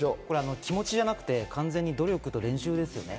気持ちじゃなくて完全に努力と練習ですよね。